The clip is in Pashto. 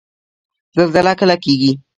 زلزله کله کیږي؟